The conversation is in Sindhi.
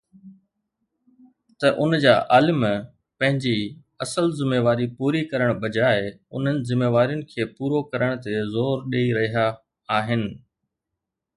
ته ان جا عالم پنهنجي اصل ذميواري پوري ڪرڻ بجاءِ انهن ذميوارين کي پورو ڪرڻ تي زور ڏئي رهيا آهن